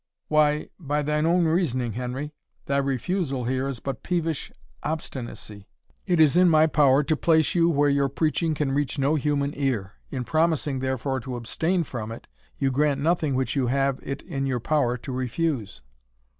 "Why, by thine own reasoning, Henry, thy refusal here is but peevish obstinacy. It is in my power to place you where your preaching can reach no human ear; in promising therefore to abstain from it, you grant nothing which you have it in your power to refuse."